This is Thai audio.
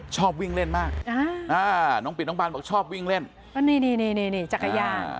ชอบวิ่งเล่นมากน้องปิดน้องบานบอกชอบวิ่งเล่นก็นี่นี่นี่จักรยาน